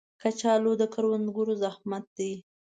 کچالو د کروندګرو زحمت دی